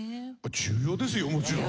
重要ですよもちろん。